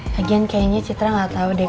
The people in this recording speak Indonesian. lagian kayaknya citra gak tau deh